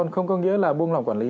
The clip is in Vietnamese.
không có nghĩa là buông lòng quản lý